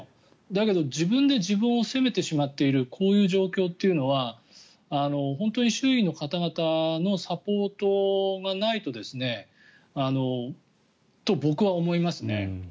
だけど、自分で自分を責めてしまっているこういう状況っていうのは本当に周囲の方々のサポートがないとと僕は思いますね。